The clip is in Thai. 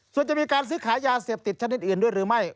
ส่วนจะมีการซื้อขายยาเสพติดชนิดอื่นด้วยหรือไม่